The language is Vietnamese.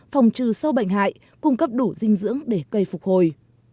phòng trừ sâu bệnh hại cung cấp đủ dinh dưỡng để cây phục hồi